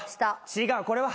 違うこれは？